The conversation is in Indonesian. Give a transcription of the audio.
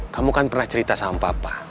kamu kan pernah cerita sama papa